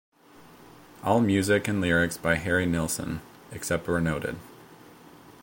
All music and lyrics by Harry Nilsson, except where noted.